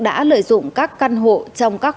đã lợi dụng các căn hộ trong các